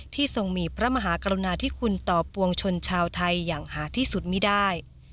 ทรงมีพระมหากรุณาธิคุณต่อปวงชนชาวไทยอย่างหาที่สุดไม่ได้